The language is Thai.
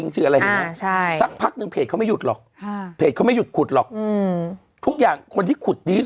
ใช่ทำทางนี้